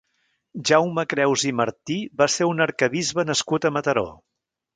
Jaume Creus i Martí va ser un arquebisbe nascut a Mataró.